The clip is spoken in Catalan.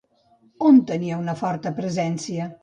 On tenia una forta presència?